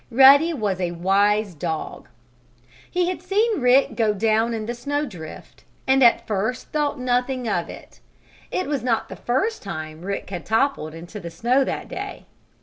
Ruddy was a wise dog. He had seen Rick go down in the snow drift, and at first thought nothing of it. It was not the first time Rick had toppled into the snow that day.